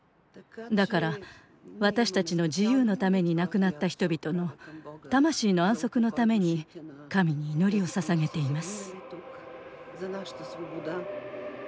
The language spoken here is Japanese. だから私たちの自由のために亡くなった人々の魂の安息のために神に祈りをささげています。